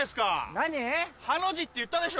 何？はの字って言ったでしょ？